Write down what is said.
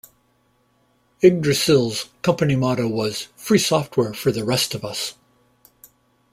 Yggdrasil's company motto was "Free Software For The Rest of Us".